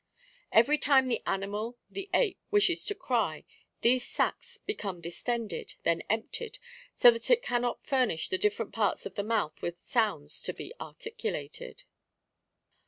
Every time the animal, the ape, wishes to cry, these sacs become distended, then emptied, so that it cannot furnish the different parts of the mouth with sounds to be articulated.